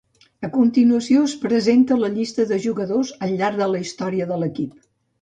A continuació es presenta la llista de jugadors al llarg de la història de l'equip.